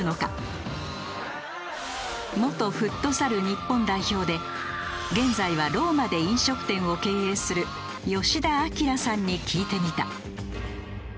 元フットサル日本代表で現在はローマで飲食店を経営する吉田輝さんに聞いてみた。